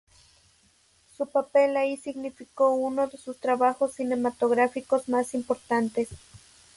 Su papel ahí significó uno de sus trabajos cinematográficos más importantes.